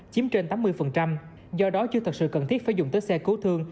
chiếm trên tám mươi do đó chưa thật sự cần thiết phải dùng tới xe cứu thương